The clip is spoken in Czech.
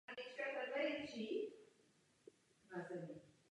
Vlhký vzduch z Tichého oceánu přináší množství srážek na ledovce.